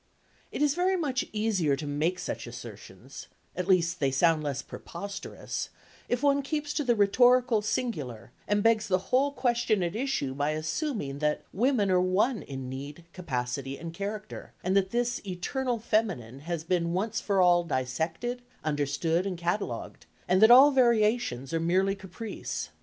It is very much easier to make such assertions, at least they sound less preposterous, if one keeps to the rhetorical singular and begs the whole question at issue by assuming that women are one in need, capacity and character, and that this eternal feminine has been once for all dissected, understood and catalogued, and that all variations are merely caprice.